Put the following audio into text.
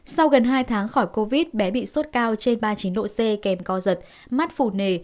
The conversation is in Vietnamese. sau gần hai tháng khỏi covid bé bị sốt cao trên ba chín lộ c kèm co giật mắt phủ nề